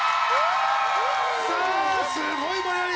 さあすごい盛り上がり！